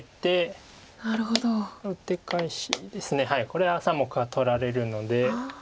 これは３目が取られるので。